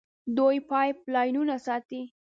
دوی پایپ لاینونه ساتي.